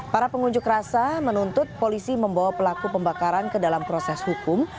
para pengunjuk rasa menuntut polisi membawa pelaku pembakaran ke dalam proses hukum